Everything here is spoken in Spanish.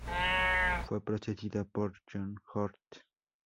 Fue precedida por "J. Hort.